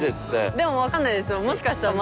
でもわかんないですよ。